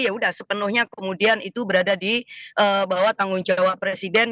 ya sudah sepenuhnya kemudian itu berada di bawah tanggung jawab presiden